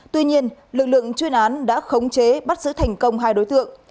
tuy nhiên lực lượng chuyên án đã khống chế bắt giữ thành công hai đối tượng